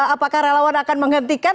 apakah relawan akan menghentikan